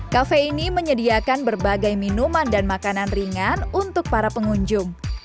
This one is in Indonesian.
kafe ini menyediakan berbagai minuman dan makanan ringan untuk para pengunjung